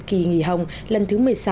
kỳ nghỉ hồng lần thứ một mươi sáu